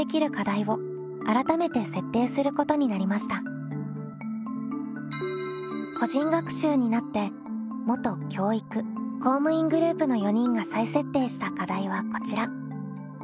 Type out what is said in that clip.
密を避けるために個人学習になって元教育・公務員グループの４人が再設定した課題はこちら。